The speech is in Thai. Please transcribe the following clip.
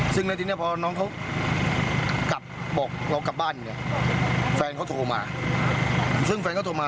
สิ่งที่เพราะหน้องเขากลับบ้านเห็นแฟนเธอโทรมา